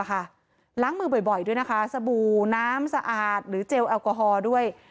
ล้างมือบ่อยด้วยนะคะสบู่น้ำสะอาดหรือเจลแอลกอฮอล์ด้วย